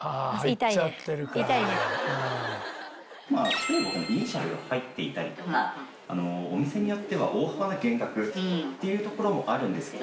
例えばイニシャルが入っていたりとかお店によっては大幅な減額っていうところもあるんですけど。